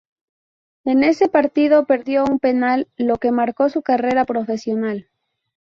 En ese partido perdió un penal, lo que marcó su carrera profesional.